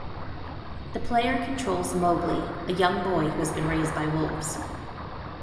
The player controls Mowgli, a young boy who has been raised by wolves.